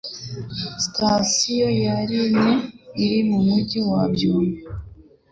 Sitasiyo ya Lime iri Mumujyi wa byumba